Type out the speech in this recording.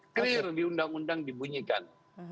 clear di undang undang dibunyikan